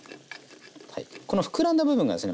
このふくらんだ部分がですね